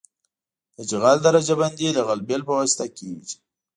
د جغل درجه بندي د غلبیل په واسطه کیږي